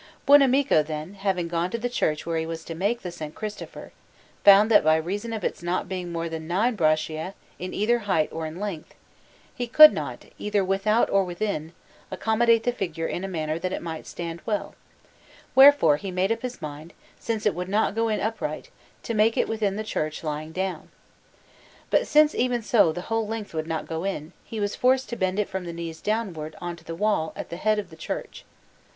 Buonamico, then, having gone to the church where he was to make the S. Christopher, found that by reason of its not being more than nine braccia either in height or in length, he could not, either without or within, accommodate the figure in a manner that it might stand well; wherefore he made up his mind, since it would not go in upright, to make it within the church lying down. But since, even so, the whole length would not go in, he was forced to bend it from the knees downwards on to the wall at the head of the church.